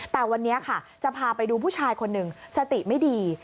แต่วันนี้ค่ะจะพาไปดูผู้ชายคนหนึ่งสติไม่ดี